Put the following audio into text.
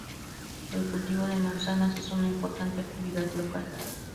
El cultivo de manzanas es una importante actividad local.